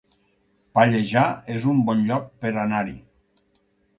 Pallejà es un bon lloc per anar-hi